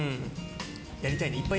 やりたいね、いっぱい。